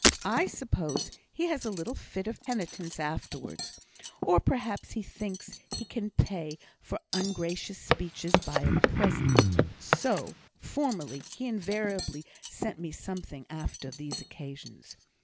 I suppose he has a little fit of penitence afterwards, or perhaps he thinks he can pay for ungracious speeches by a present; so, formerly, he invariably sent me something after these occasions.